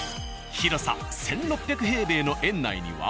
広さ１６００平米の園内には。